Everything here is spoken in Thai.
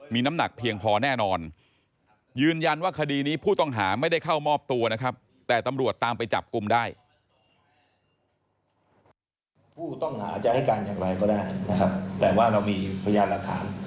จึงเป็นพยานฐานของที่ผมได้พูดไปเวชักครู่นี้ครับ